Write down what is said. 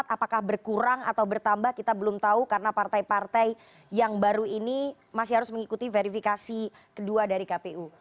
apakah berkurang atau bertambah kita belum tahu karena partai partai yang baru ini masih harus mengikuti verifikasi kedua dari kpu